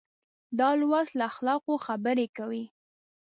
دا لوست له اخلاقو خبرې کوي.